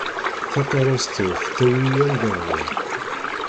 Takerrust-iw tettawi-iyi anda bɣiɣ;